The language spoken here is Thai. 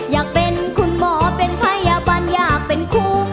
อยากเป็นคุณหมอเป็นพยาบาลอยากเป็นคู่